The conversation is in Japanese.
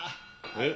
えっ。